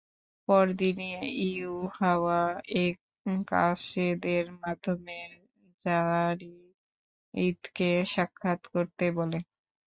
পর দিনই ইউহাওয়া এক কাসেদের মাধ্যমে যারীদকে সাক্ষাৎ করতে বলে।